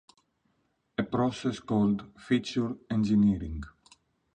A process called feature engineering.